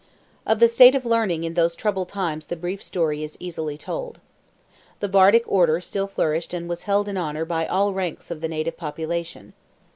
Of the state of learning in those troubled times the brief story is easily told. The Bardic Order still flourished and was held in honour by all ranks of the native population.